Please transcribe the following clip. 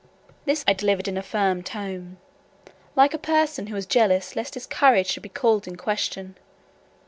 This I delivered in a firm tone, like a person who was jealous lest his courage should be called in question.